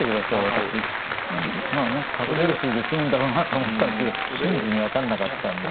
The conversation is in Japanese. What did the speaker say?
私何か角出る筋で詰むんだろうなと思ったんですけど瞬時に分かんなかったんで。